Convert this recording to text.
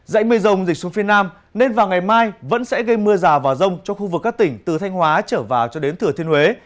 dãy mây rông dịch xuống phía nam nên vào ngày mai vẫn sẽ gây mưa rào và rông cho khu vực các tỉnh từ thanh hóa trở vào cho đến thừa thiên huế